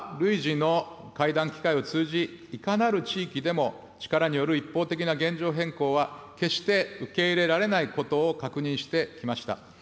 米国とは累次の会談機会を通じ、いかなる地域でも、力による一方的な現状変更は決して受け入れられないことを確認してきました。